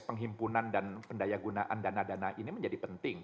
penghimpunan dan pendayagunaan dana dana ini menjadi penting